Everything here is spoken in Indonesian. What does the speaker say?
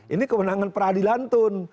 ini kemenangan peradilan tun